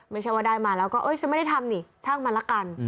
ไม่ใช่ว่าได้มาแล้วก็ฉันไม่ได้ทำนี่ช่างมันละกัน